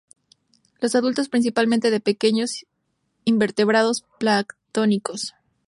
Los adultos principalmente de pequeños invertebrados planctónicos.